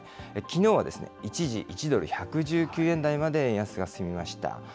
きのうは一時、１ドル１１９円台まで円安が進みました。